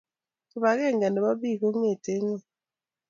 Kipakenge nebo bik ko ngeti ngony